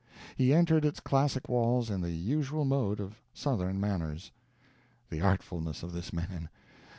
He entered its classic walls in the usual mode of southern manners. The artfulness of this man!